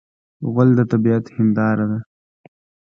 غول د طبعیت هنداره ده.